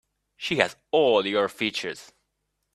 She has all your features.